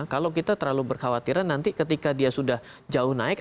kalau kita terlalu berkhawatiran nanti ketika dia sudah jauh naik